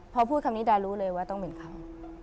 พอพูดคำนี้ดารู้เลยว่าต้องเป็นเขา